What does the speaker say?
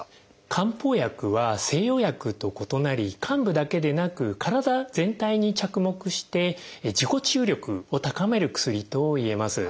漢方薬は西洋薬と異なり患部だけでなく体全体に着目して自己治癒力を高める薬といえます。